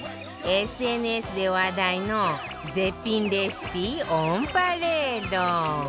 ＳＮＳ で話題の絶品レシピオンパレード